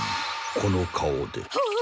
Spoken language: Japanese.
この顔で。